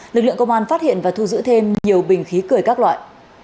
lực lượng công an phát hiện và thu giữ thêm nhiều bình khí cười các loại